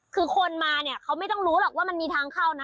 คือคนมาเนี่ยเขาไม่ต้องรู้หรอกว่ามันมีทางเข้านะ